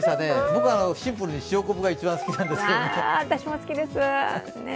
僕はシンプルに塩昆布が一番好きなんですね。